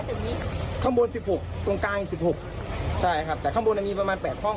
ตรงนี้ข้างบนสิบหกตรงกลางสิบหกใช่ครับแต่ข้างบนอ่ะมีประมาณแปดห้อง